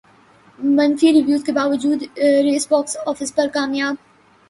منفی ریویوز کے باوجود ریس باکس افس پر کامیاب